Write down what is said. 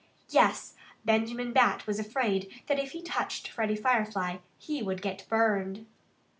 Yes! Benjamin Bat was afraid that if he touched Freddie Firefly he would get burned.